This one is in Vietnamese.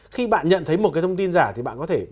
khi bạn nhận thấy một cái thông tin giả thì bạn có thể